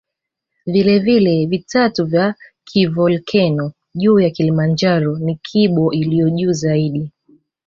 Vilele vitatu vya kivolkeno juu ya Kilimanjaro ni Kibo iliyo juu zaidi